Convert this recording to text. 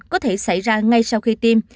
có thể xảy ra ngay sau khi tiêm